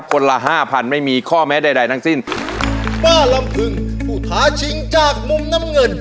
กุป่าลำพึงผู้ท้าชิงจากมุมน้ำเงิน